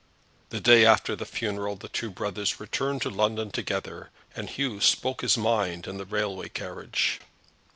The day after the funeral the two brothers returned to London together, and Hugh spoke his mind in the railway carriage.